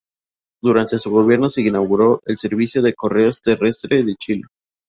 Durante su gobierno se inauguró el servicio de Correos terrestre de Chile.